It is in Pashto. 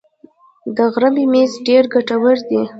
د غره ممیز ډیر ګټور دي